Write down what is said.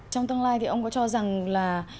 trong tương lai thì ông có cho rằng là